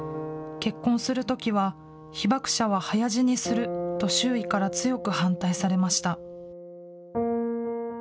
結婚するときは、被爆者は早死にすると、周囲から強く反対されました。